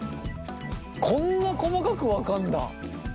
こんな細かく分かんだ。